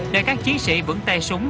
để các chiến sĩ vững tay súng